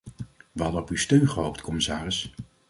We hadden op uw steun gehoopt, commissaris.